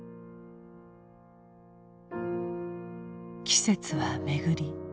季節は巡り